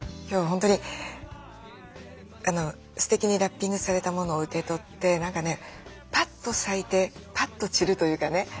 今日本当にすてきにラッピングされたものを受け取って何かねパッと咲いてパッと散るというかね